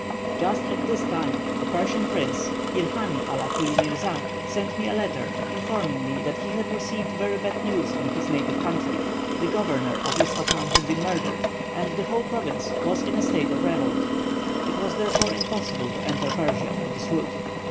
Just at this time the Persian prince, Il Hany Ala Culy Mirza, sent me a letter, informing me that he had received very bad news from his native country; the governor of Ispahan had been murdered, and the whole province was in a state of revolt. It was therefore impossible to enter Persia by this route.